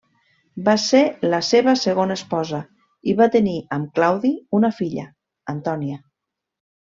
Va ser la seva segona esposa i va tenir amb Claudi una filla, Antònia.